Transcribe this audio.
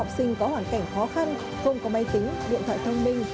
nhưng có hoàn cảnh khó khăn không có máy tính điện thoại thông minh